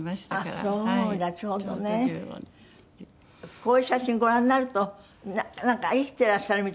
こういう写真ご覧になるとなんか生きてらっしゃるみたいな感じするでしょ？